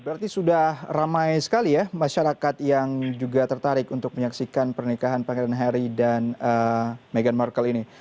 berarti sudah ramai sekali ya masyarakat yang juga tertarik untuk menyaksikan pernikahan pangeran harry dan meghan markle ini